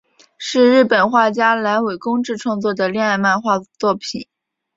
是日本漫画家濑尾公治创作的恋爱漫画作品。